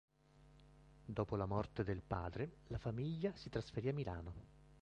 Dopo la morte del padre la famiglia si trasferì a Milano.